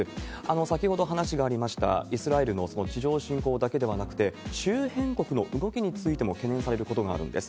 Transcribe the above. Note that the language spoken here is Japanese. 先ほど話がありました、イスラエルの地上侵攻だけではなくて、周辺国の動きについても懸念されることがあるんです。